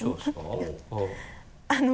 いやあの。